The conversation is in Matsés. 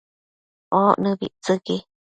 oc nëbictsëqui